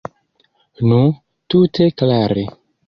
Nu, tute klare.